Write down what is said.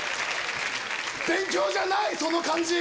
勉強じゃないその感じ！